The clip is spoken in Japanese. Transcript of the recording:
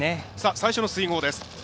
最初の水ごうです。